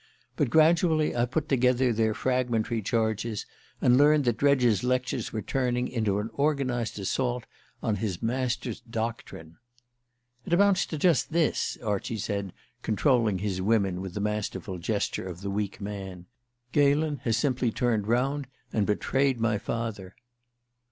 But gradually I put together their fragmentary charges, and learned that Dredge's lectures were turning into an organized assault on his master's doctrine. "It amounts to just this," Archie said, controlling his women with the masterful gesture of the weak man. "Galen has simply turned round and betrayed my father."